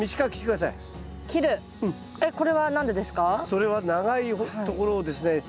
それは長いところをですね